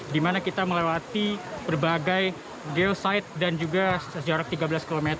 di mana kita melewati berbagai geosite dan juga jarak tiga belas km